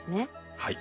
はい。